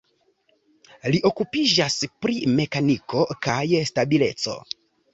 Li okupiĝas pri mekaniko kaj stabileco.